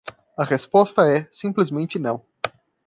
A resposta é: simplesmente não.